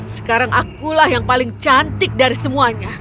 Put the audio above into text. sekarang akulah yang paling cantik dari semuanya